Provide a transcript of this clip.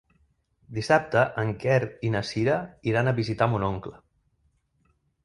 Dissabte en Quer i na Cira iran a visitar mon oncle.